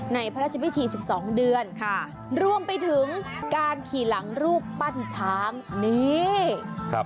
พระราชพิธีสิบสองเดือนค่ะรวมไปถึงการขี่หลังรูปปั้นช้างนี่ครับ